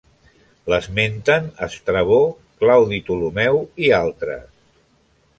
L'esmenten Estrabó, Claudi Ptolemeu i altres.